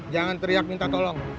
jangan teriak minta tolong